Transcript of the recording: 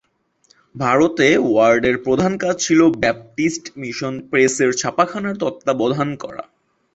ভারতে ওয়ার্ডের প্রধান কাজ ছিল ব্যাপ্টিস্ট মিশন প্রেসের ছাপাখানার তত্ত্বাবধান করা।